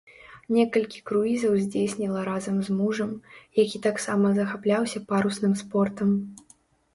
Некалькі круізаў здзейсніла разам з мужам, які таксама захапляўся парусным спортам.